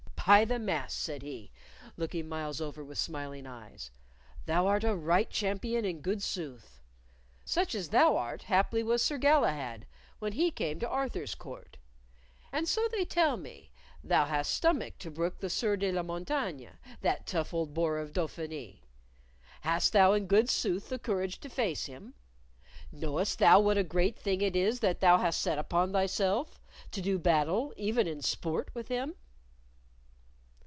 "By the mass!" said he, looking Myles over with smiling eyes, "thou art a right champion in good sooth. Such as thou art haply was Sir Galahad when he came to Arthur's court. And so they tell me, thou hast stomach to brook the Sieur de la Montaigne, that tough old boar of Dauphiny. Hast thou in good sooth the courage to face him? Knowest thou what a great thing it is that thou hast set upon thyself to do battle, even in sport, with him?"